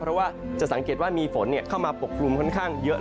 เพราะว่าจะสังเกตว่ามีฝนเข้ามาปกคลุมค่อนข้างเยอะ